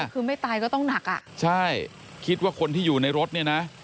คือไม่ตายก็ต้องหนักอ่ะใช่คิดว่าคนที่อยู่ในรถเนี่ยนะ